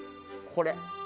これ。